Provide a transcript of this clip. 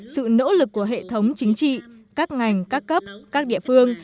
sự nỗ lực của hệ thống chính trị các ngành các cấp các địa phương